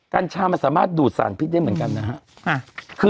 กัญชามันสามารถดูดสารพิษได้เหมือนกันนะฮะ